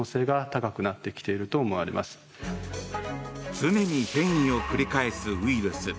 常に変異を繰り返すウイルス。